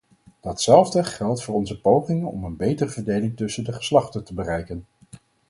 Datzelfde geldt voor onze pogingen om een betere verdeling tussen de geslachten te bereiken.